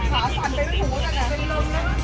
ไม่หอบ